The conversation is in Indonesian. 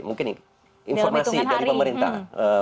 mungkin informasi dari pemerintah